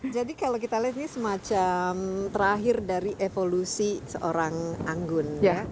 jadi kalau kita lihat ini semacam terakhir dari evolusi seorang anggun ya